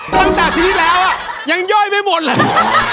ตั้งแต่ปีที่แล้วยังย่อยไปหมดเลย